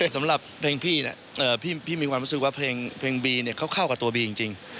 สำหรับเพลงพี่มีความรู้สึกว่าเพลงบีเขาเข้ากับตัวบีจริง